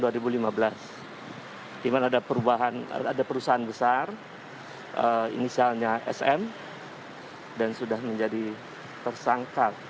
dimana ada perusahaan besar inisialnya sm dan sudah menjadi tersangka